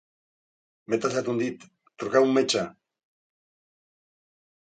M'he tallat un dit; truqueu un metge.